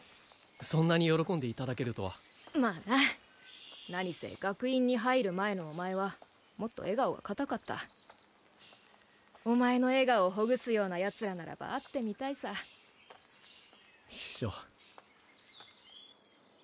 そんなに喜んでいただけるとはまあな何せ学院に入る前のお前はもっと笑顔が硬かったお前の笑顔をほぐすようなヤツらならば会ってみたいさ師匠